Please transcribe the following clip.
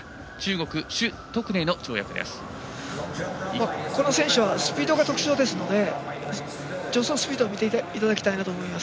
この選手はスピードが特徴ですので助走スピードを見ていただきたいと思います。